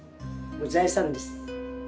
財産です。